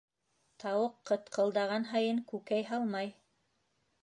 Тауыҡ ҡытҡылдаған һайын күкәй һалмай.